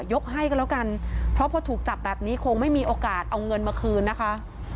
ยกให้ก็แล้วกันเพราะพอถูกจับแบบนี้คงไม่มีโอกาสเอาเงินมาคืนนะคะ